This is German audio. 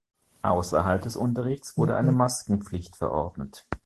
Außerhalb des Unterrichts wurde eine Maskenpflicht verordnet.